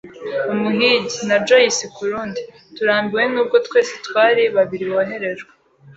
Umuhigi, na Joyce kurundi. Turambiwe nubwo twese twari, babiri boherejwe